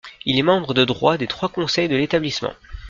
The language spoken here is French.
Il est membre de droit des trois conseils de l’établissement.